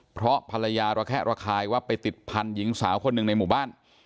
เพราะภรรยาระแคะระคายว่าไปติดพันธุ์หญิงสาวคนหนึ่งในหมู่บ้าน